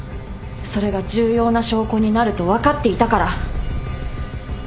それが重要な証拠になると分かっていたから。